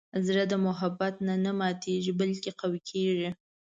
زړه د محبت نه ماتیږي، بلکې قوي کېږي.